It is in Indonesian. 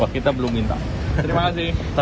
wah kita belum minta